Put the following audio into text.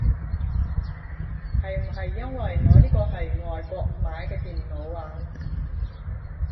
係唔係因為我呢個係外國買嘅電腦啊